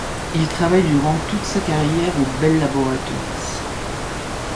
Il travaille durant toute sa carrière aux Bell Laboratories.